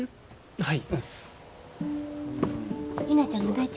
はい。